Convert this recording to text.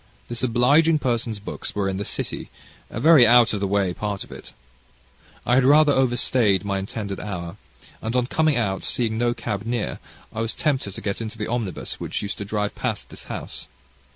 This obliging person's books were in the City, a very out of the way part of it. I had rather out stayed my intended hour, and, on coming out, seeing no cab near, I was tempted to get into the omnibus which used to drive past this house.